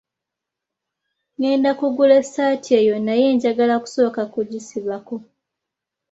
Ngenda kugula essaati eyo naye njagala kusooka kugisibako.